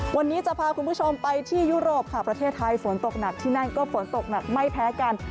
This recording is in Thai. วันนี้จะพาคุณผู้ชมไปที่ยุโรปค่ะประเทศไทยฝนตกหนักที่นั่นก็ฝนตกหนักไม่แพ้กัน